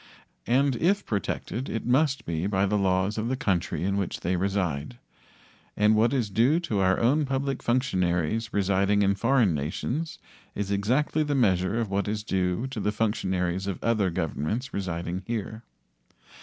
And if protected it must be by the laws of the country in which they reside. And what is due to our own public functionaries residing in foreign nations is exactly the measure of what is due to the functionaries of other governments residing here.